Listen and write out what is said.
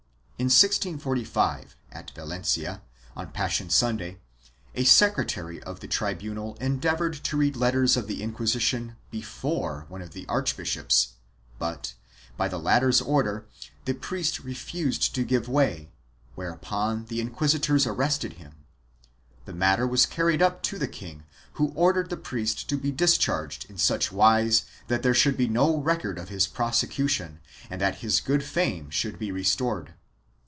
In 1645, at Valen cia, on Passion Sunday, a secretary of the tribunal endeavored to read letters of the inquisitors before one of the archbishop's, but, by the latter ;s order, the priest refused to give way, where upon the inquisitors arrested him: the matter was carried up to to the king, who ordered the priest to be discharged in such wise that there should be no record of his prosecution and that his good fame should be restored.